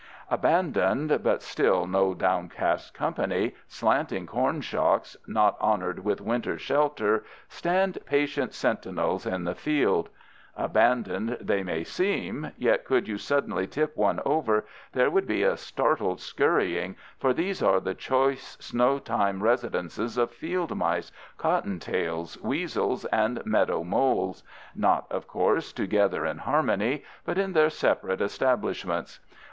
Abandoned, but still no downcast company, slanting corn shocks not honored with winter shelter stand patient sentinels in the field. Abandoned they may seem, yet could you suddenly tip one over there would be a startled scurrying, for these are the choice snow time residences of field mice, cottontails, weasels, and meadow moles—not, of course, together in harmony, but in their separate establishments.